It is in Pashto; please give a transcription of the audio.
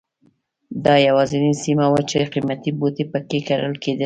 دا یوازینۍ سیمه وه چې قیمتي بوټي په کې کرل کېدل.